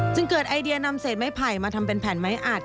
เกิดไอเดียนำเศษไม้ไผ่มาทำเป็นแผ่นไม้อัด